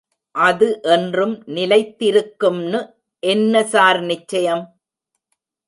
அது என்றும் நிலைத்திருக்கும்னு என்ன ஸார் நிச்சயம்?